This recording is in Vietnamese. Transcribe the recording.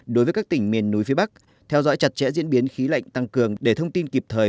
đối với các tỉnh miền núi phía bắc theo dõi chặt chẽ diễn biến khí lạnh tăng cường để thông tin kịp thời